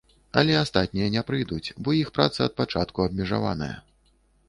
Але астатнія не прыйдуць, бо іх праца ад пачатку абмежаваная.